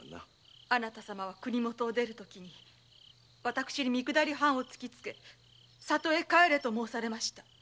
・あなた様は国元を出るときに私に「三下り半」を突きつけて実家へ帰れと申されました。